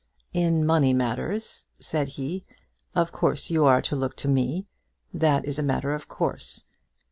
"In money matters," said he, "of course you are to look to me. That is a matter of course.